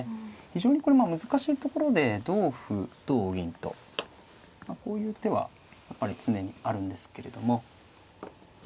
非常にこれ難しいところで同歩同銀とこういう手はやっぱり常にあるんですけれども。